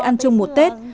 ăn chung một tết